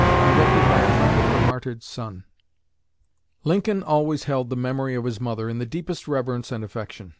Erected by a friend of her martyred son. Lincoln always held the memory of his mother in the deepest reverence and affection.